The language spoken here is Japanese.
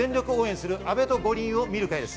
全力応援する「阿部と五輪を見る会」です。